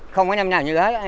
không có năm nào như thế